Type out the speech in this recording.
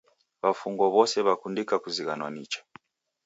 W'afungwa w'ose w'akundika kuzighanwa nicha.